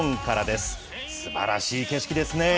すばらしい景色ですね。